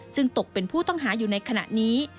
ซึ่งตกเป็นผู้ต้องหาอยู่ในขณะนี้